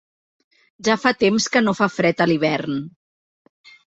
Ja fa temps que no fa fred a l'hivern.